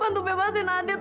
bantu bebasin adit